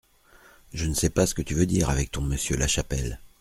Je ne sais pas ce que tu veux dire avec ton Monsieur Lachapelle !